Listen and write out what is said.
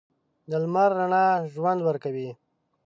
د لمر رڼا ژوند ورکوي.